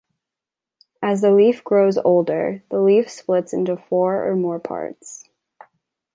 As the leaf grows older, the leaf splits into four or more parts.